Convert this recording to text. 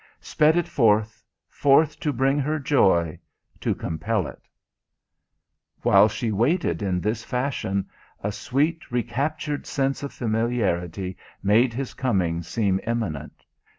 Sped it forth, forth to bring her joy to compel it. While she waited in this fashion a sweet, recaptured sense of familiarity made his coming seem imminent.